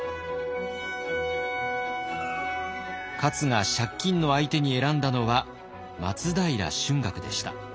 勝が借金の相手に選んだのは松平春嶽でした。